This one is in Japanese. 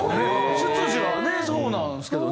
出自はねそうなんですけどね。